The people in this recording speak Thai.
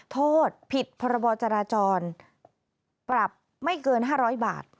โทษผิดพรบจราจรปรับไม่เกิน๕๐๐บาท